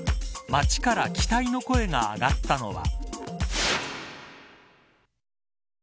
街から期待の声が上がったのは。